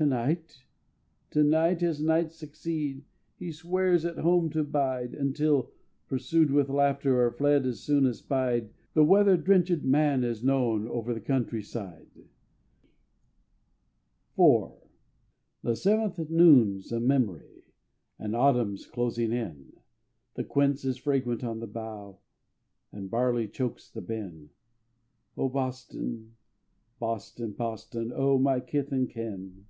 To night, to night, as nights succeed, He swears at home to bide, Until, pursued with laughter Or fled as soon as spied, The weather drenchèd man is known Over the country side! IV The seventh noon 's a memory, And autumn 's closing in; The quince is fragrant on the bough, And barley chokes the bin. "O Boston, Boston, Boston! And O my kith and kin!"